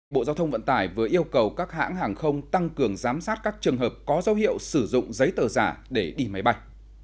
bộ giao thông vận tải vừa yêu cầu các hãng hàng không tăng cường giám sát các trường hợp có dấu hiệu sử dụng giấy tờ giả để đi máy bay